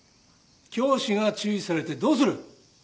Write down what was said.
教師が注意されてどうする。